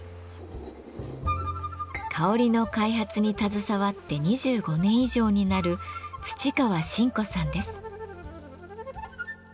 香りの開発に携わって２５年以上になる土川真子さんです。